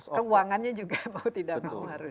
ternyata pertumbuhannya juga mau tidak mau harus